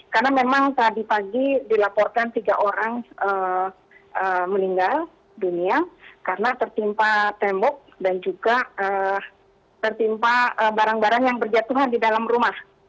karena memang tadi pagi dilaporkan tiga orang meninggal dunia karena tertimpa tembok dan juga tertimpa barang barang yang berjatuhan di dalam rumah